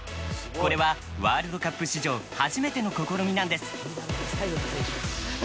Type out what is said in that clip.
これはワールドカップ史上初めての試みなんです。